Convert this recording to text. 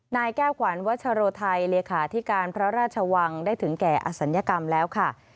นายแก้วขวัญวัชโรไทยเลขาธิการพระราชวังได้ถึงแก่อศัลยกรรมแล้วค่ะ